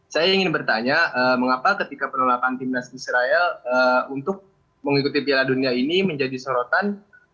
saya ingin bertanya mengapa ketika penolakan timnas israel untuk mengikuti piala dunia ini menjadi sorotan